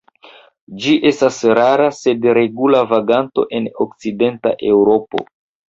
Ĝi estas rara sed regula vaganto en okcidenta Eŭropo.